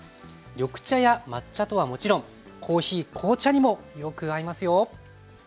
緑茶や抹茶とはもちろんコーヒー紅茶にもよく合いますよ。